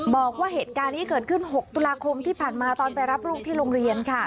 บอกว่าเหตุการณ์นี้เกิดขึ้น๖ตุลาคมที่ผ่านมาตอนไปรับลูกที่โรงเรียนค่ะ